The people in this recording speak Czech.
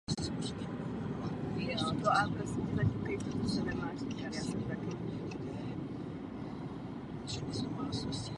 Díky výsledkům srovnávací fyziologie lze například výsledky pokusů na laboratorních zvířatech přenášet na člověka.